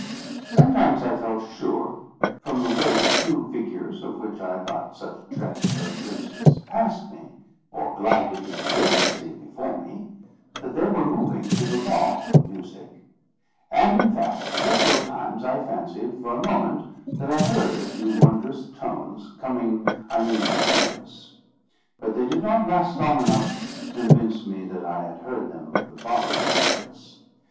Sometimes I felt sure, from the way the few figures of which I got such transitory glimpses passed me, or glided into vacancy before me, that they were moving to the law of music; and, in fact, several times I fancied for a moment that I heard a few wondrous tones coming I knew not whence. But they did not last long enough to convince me that I had heard them with the bodily sense.